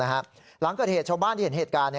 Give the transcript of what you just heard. หลังเกิดเหตุชาวบ้านที่เห็นเหตุการณ์